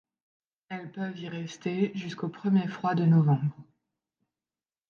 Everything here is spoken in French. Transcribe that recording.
Elles peuvent y rester jusqu'aux premiers froids de novembre.